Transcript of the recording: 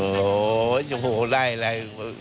โอ้โหจะโหไล่อะไร